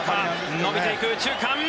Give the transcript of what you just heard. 伸びていく、右中間。